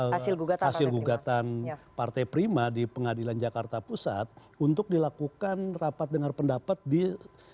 hasil gugatan partai prima di pengadilan jakarta pusat untuk dilakukan rapat dengar pendapat di